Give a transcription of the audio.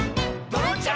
「ドロンチャ！